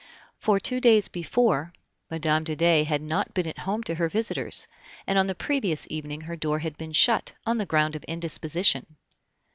For two days before Mme. de Dey had not been at home to her visitors, and on the previous evening her door had been shut, on the ground of indisposition.